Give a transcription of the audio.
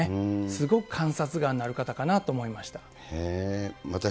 すごく観察眼のある方かなと思いました。